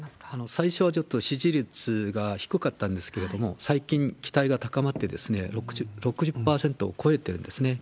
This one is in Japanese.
最初はちょっと支持率が低かったんですけれども、最近、期待が高まって、６０％を超えてるんですね。